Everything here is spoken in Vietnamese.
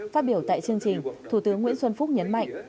phát biểu tại chương trình thủ tướng nguyễn xuân phúc nhấn mạnh